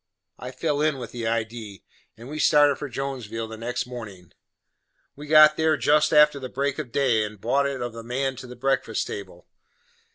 I fell in with the idee, and we started for Jonesville the next mornin'. We got there jest after the break of day, and bought it of the man to the breakfast table.